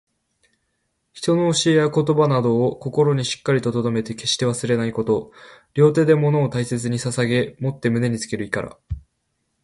人の教えや言葉などを、心にしっかりと留めて決して忘れないこと。両手で物を大切に捧ささげ持って胸につける意から。